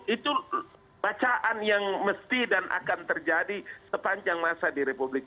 itu bacaan yang mesti dan akan terjadi sepanjang masa di republik